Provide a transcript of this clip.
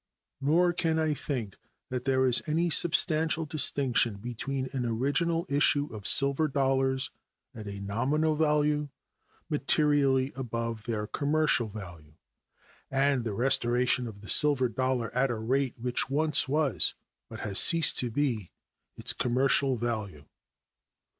Nor can I think that there is any substantial distinction between an original issue of silver dollars at a nominal value materially above their commercial value and the restoration of the silver dollar at a rate which once was, but has ceased to be, its commercial value.